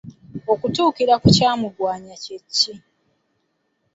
Okutuukira mu kya Mugwanya kye ki?